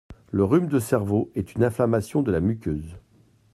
Le rhume de cerveau est une inflammation de la muqueuse…